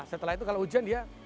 setelah itu kalau ujian dia